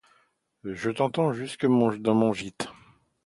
Je t'entends jusque dans mon gîte.